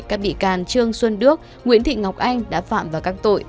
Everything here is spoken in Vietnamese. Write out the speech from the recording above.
các bị can trương xuân đức nguyễn thị ngọc anh đã phạm vào các tội